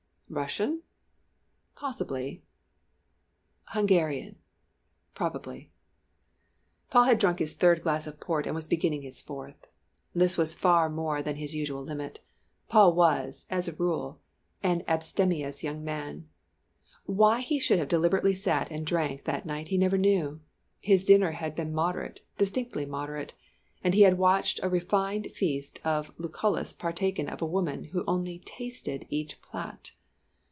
Russian? possibly. Hungarian? probably. Paul had drunk his third glass of port and was beginning his fourth. This was far more than his usual limit. Paul was, as a rule, an abstemious young man. Why he should have deliberately sat and drank that night he never knew. His dinner had been moderate distinctly moderate and he had watched a refined feast of Lucullus partaken of by a woman who only tasted each _plat!